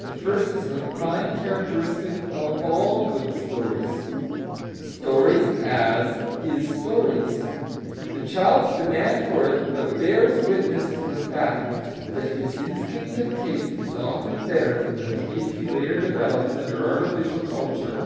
The first is the prime characteristic of all good stories, "stories as is stories"; the child's demand for it but bears witness to the fact that his instinctive taste is often better than the taste he later develops under artificial culture.